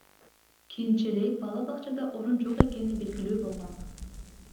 Кийинчерээк бала бакчада орун жок экени белгилүү болгон.